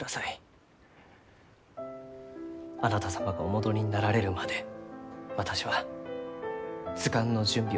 あなた様がお戻りになられるまで私は図鑑の準備を懸命に進めちょきます。